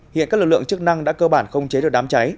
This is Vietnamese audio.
hiện các lực lượng chức năng đã cơ bản không chế được đám cháy